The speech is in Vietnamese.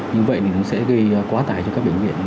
như vậy thì nó sẽ gây quá tải cho các bệnh viện